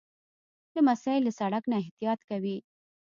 لمسی له سړک نه احتیاط کوي.